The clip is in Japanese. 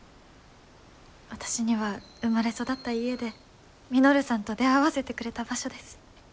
私には生まれ育った家で稔さんと出会わせてくれた場所です。